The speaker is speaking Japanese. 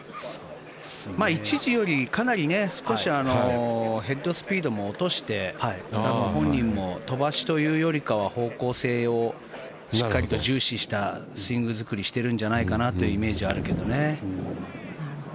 一時よりかなり少しはヘッドスピードも落として本人も飛ばしというよりかは方向性をしっかりと重視したスイング作りをしてるんじゃないかなというイメージはあるけどね。